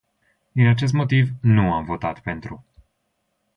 Din acest motiv, nu am votat pentru.